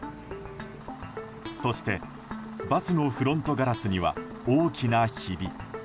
そしてバスのフロントガラスには大きなひび。